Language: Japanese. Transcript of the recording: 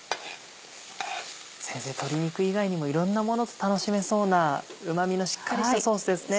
先生鶏肉以外にもいろんなものと楽しめそうなうま味のしっかりしたソースですね。